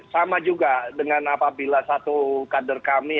sama juga dengan apabila satu kader kami